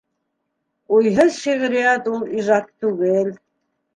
Уйһыҙ шиғриәт ул ижад түгел.